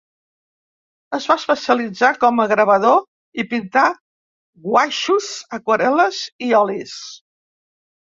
Es va especialitzar com a gravador, i pintà guaixos, aquarel·les i olis.